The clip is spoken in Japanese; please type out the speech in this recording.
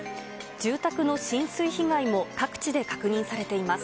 住宅の浸水被害も各地で確認されています。